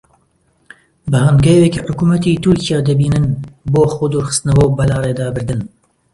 بە هەنگاوێکی حکوومەتی تورکیا دەبینن بۆ خۆدوورخستنەوە و بەلاڕێدابردن